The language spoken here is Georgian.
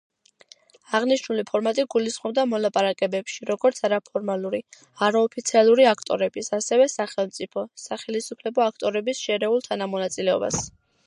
აღნიშნული ფორმატი გულისხმობდა მოლაპარაკებებში, როგორც არაფორმალური, არაოფიციალური აქტორების, ასევე სახელმწიფო, სახელისუფლებო აქტორების შერეულ თანამონაწილეობას.